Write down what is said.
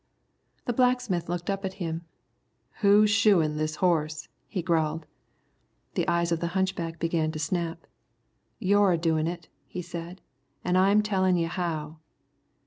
The blacksmith looked up at him. "Who's shoein' this horse?" he growled. The eyes of the hunchback began to snap. "You're a doin' it," he said, "an' I'm tellin' you how."